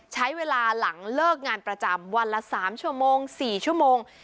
ใช้เวลาหลังเลิกงานประจำวันละ๓ชั่วโมง๔ชั่วโมง